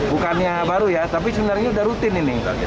bukannya baru ya tapi sebenarnya sudah rutin ini